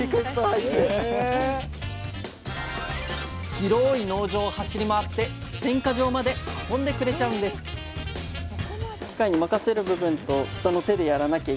広い農場を走り回って選果場まで運んでくれちゃうんですいや